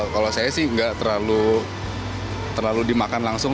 kalau saya sih nggak terlalu dimakan langsung